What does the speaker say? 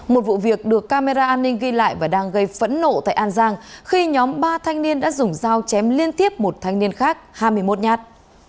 một vụ việc được camera an ninh ghi lại và đang gây phẫn nộ tại an giang khi nhóm ba thanh niên đã dùng dao chém liên tiếp một thanh niên khác hai mươi một nhát